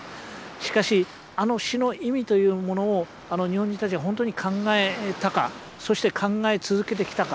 しかしあの死の意味というものを日本人たちは本当に考えたかそして考え続けてきたか。